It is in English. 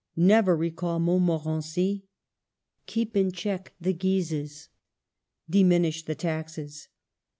'' Never recall Montmorency, keep in check the Guises, diminish the taxes."